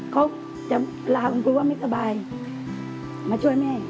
เขาจะลาคุณครูว่าไม่สบายมาช่วยแม่